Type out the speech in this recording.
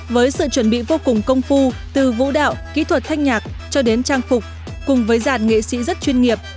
với sự chuẩn bị vô cùng công phu từ vũ đạo kỹ thuật thanh nhạc cho đến trang phục cùng với dàn nghệ sĩ rất chuyên nghiệp